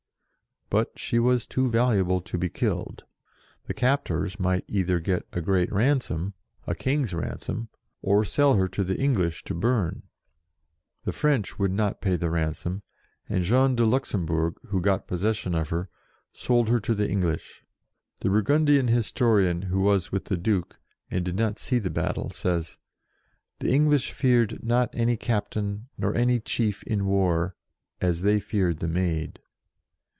But she was too valuable to be killed. The captors might either get a great ransom, a king's ransom, or sell her to the English to burn. The French would not pay the ransom, and Jean de Luxem bourg, who got possession of her, sold her to the English. The Burgundian historian, who was with the Duke, and did not see the battle, says, " the English feared not any captain, nor any chief in war, as they feared the Maid."